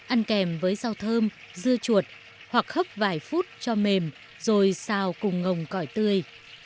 ăn kèm với rau thơm dưa chuột hoặc khấp vài phút cho mềm rồi xào cùng ngồng cỏi tươi